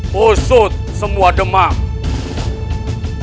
pusut semua demam